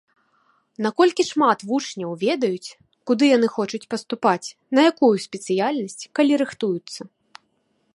Наколькі шмат вучняў ведаюць, куды яны хочуць паступаць, на якую спецыяльнасць, калі рыхтуюцца?